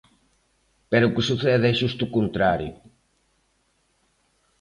Pero o que sucede é xusto o contrario.